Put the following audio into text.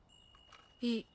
いい。